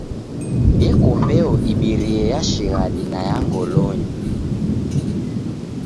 Eko mbeo ibirie ya shighadi na ya ngolonyi.